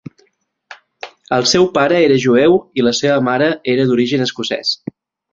El seu pare era jueu i la seva mare era d'origen escocès.